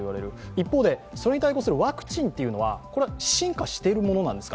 一方で、それに対抗するワクチンは進化しているものなのですか？